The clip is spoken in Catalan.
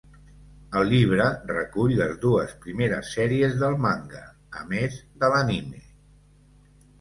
El llibre recull les dues primeres sèries del manga, a més de l'anime.